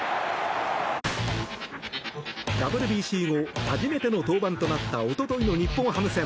ＷＢＣ後初めての登板となったおとといの日本ハム戦。